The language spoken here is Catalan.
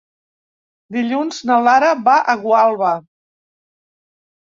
Dilluns na Lara va a Gualba.